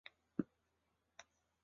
亚泽被尼泊尔吞并至今。